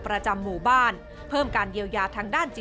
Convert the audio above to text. ประจำหมู่บ้านเพิ่มการเยียวยาทางด้านจิต